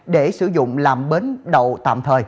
để sử dụng làm bến đậu tạm thời